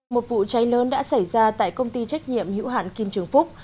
một vụ cháy lớn đã xảy ra tại công ty trách nhiệm hữu hạn kim trường phúc